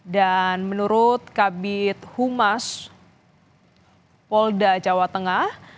dan menurut kabit humas polda jawa tengah